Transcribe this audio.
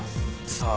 さあ。